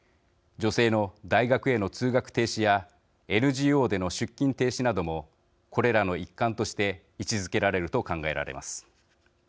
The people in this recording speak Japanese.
女性の大学への通学停止やＮＧＯでの出勤停止などもこれらの一環として位置づけられると考えられます。